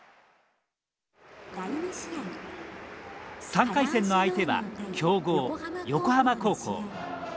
３回戦の相手は強豪横浜高校。